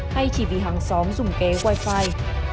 hay chỉ vì hàng xóm dùng ké wifi